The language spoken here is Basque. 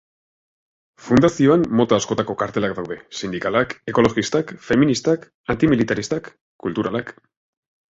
Fundazioan mota askotako kartelak daude: sindikalak, ekologistak, feministak, antimilitaristak, kulturalak